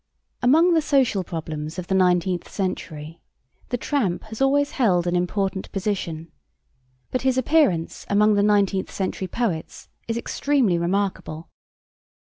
Among the social problems of the nineteenth century the tramp has always held an important position, but his appearance among the nineteenth century poets is extremely remarkable.